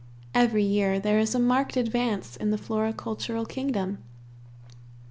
Every year there is a marked advance in the floricultural kingdom.